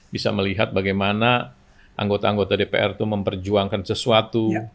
bisa melihat bagaimana anggota anggota dpr itu memperjuangkan sesuatu